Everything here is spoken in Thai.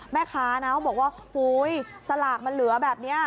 แม่ค้าบอกว่าสลากมันเหลือแบบนี้